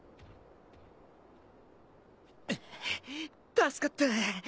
助かった。